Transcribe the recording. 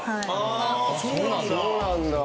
そうなんだ。